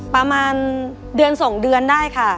ประมาณเดือน๒เดือนได้ค่ะ